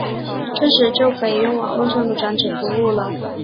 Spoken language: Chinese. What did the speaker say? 这时就可以用网路上的转址服务了。